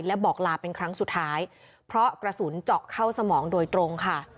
และบอกลาเป็นครั้งสุดท้ายเพราะกระสุนเจาะเข้าสมองโดยตรงค่ะ